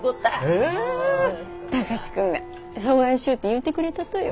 貴司君がそがんしようって言うてくれたとよ。